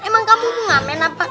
emang kamu pengamen apa